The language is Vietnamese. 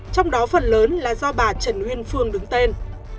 trong đó phần lớn là do bà trần uyên phương đứng tên